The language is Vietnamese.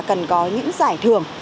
cần có những giải thưởng